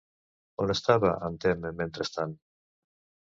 On estava en Temme mentrestant?